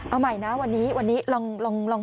เอาใหม่นะวันนี้วันนี้ลองพูดเหตุผลใหม่